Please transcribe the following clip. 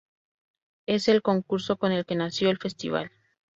Es el concurso con el que nació el Festival.